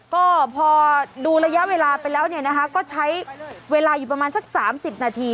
ก็พอดูระยะเวลาไปแล้วเนี่ยนะคะก็ใช้เวลาอยู่ประมาณสัก๓๐นาที